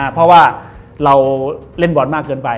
เพราะว่าเราเล่นบอลมากเกินไป